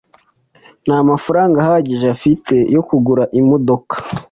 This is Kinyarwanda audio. Nta mafaranga ahagije afite yo kugura imodoka.